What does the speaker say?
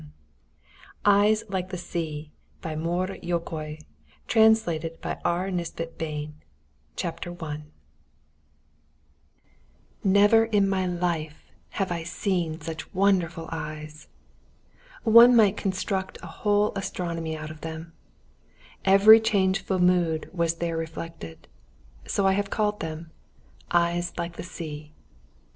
] EYES LIKE THE SEA CHAPTER I SEA EYES MONSIEUR GALIFARD THE FIRST NEEDLE PRICK Never in my life have I seen such wonderful eyes! One might construct a whole astronomy out of them. Every changeful mood was there reflected; so I have called them "Eyes like the Sea."